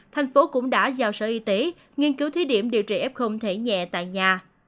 thành phố cũng đã giao sở y tế nghiên cứu thí điểm điều trị f thể nhẹ tại nhà